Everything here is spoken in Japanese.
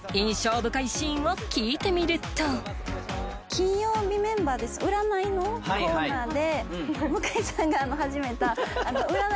金曜日メンバーで占いのコーナーで。